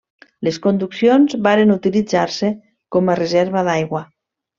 Les conduccions varen utilitzar-se com a reserva d'aigua.